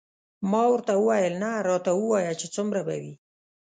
ما ورته وویل نه راته ووایه چې څومره به وي.